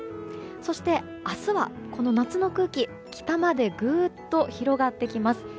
そして、明日は夏の空気北までグッと広がってきます。